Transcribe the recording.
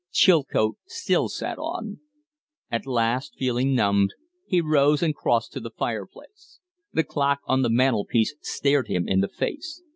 Chilcote still sat on. At last, feeling numbed, he rose and crossed to the fireplace. The clock on the mantel piece stared him in the face.